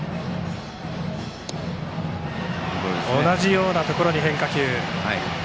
同じようなところに変化球。